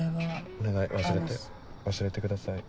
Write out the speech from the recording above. お願い忘れて忘れてください。